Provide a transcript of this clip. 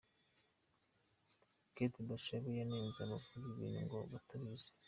Kate Bashabe yanenze abavuga ibintu ngo batabizi